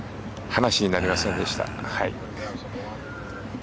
話になりませんでした。